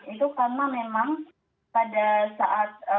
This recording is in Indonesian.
itu karena memang pada saat pandemi ini